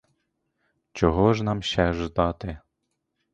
Чого ж нам ще ждати?